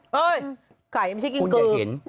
เฮ่ยไก่ไม่ใช่กินกลืม